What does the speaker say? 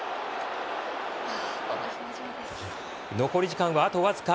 残り時間はあと僅か。